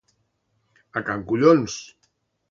A Can Collons.